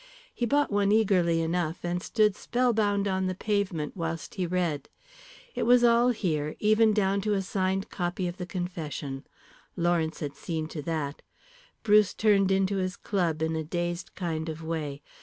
He bought one eagerly enough, and stood spellbound on the pavement whilst he read. It was all here, even down to a signed copy of the confession. Lawrence had seen to that. Bruce turned into his club in a dazed kind of way.